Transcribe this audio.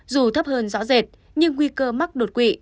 dù thấp hơn rõ rệt nhưng nguy cơ mắc đột quỵ